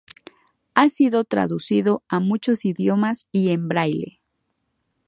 Ha sido traducido a muchos idiomas y en braille.